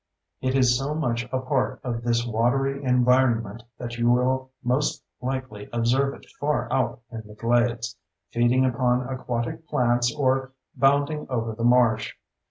It is so much a part of this watery environment that you will most likely observe it far out in the glades, feeding upon aquatic plants or bounding over the marsh.